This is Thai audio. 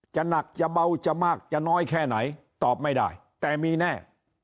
หนักจะเบาจะมากจะน้อยแค่ไหนตอบไม่ได้แต่มีแน่